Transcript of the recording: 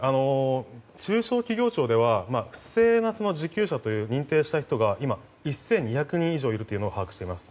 中小企業庁では不正な受給者と認定した人が１２００人以上いると把握しています。